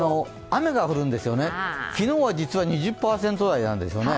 雨が降るんですよね、昨日は実は２０％台なんですよね。